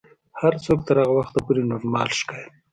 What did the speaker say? هر څوک تر هغه وخته پورې نورمال ښکاري.